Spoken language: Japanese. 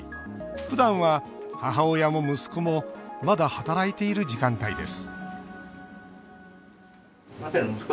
ふだんは母親も息子もまだ働いている時間帯です